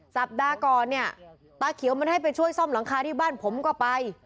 สัปดาห์ก่อนเนี่ยตาเขียวมันให้ไปช่วยซ่อมหลังคาที่บ้านผมก็ไป